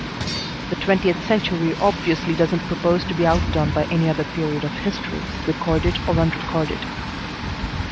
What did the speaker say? "The twentieth century obviously doesn't propose to be outdone by any other period of history, recorded or unrecorded."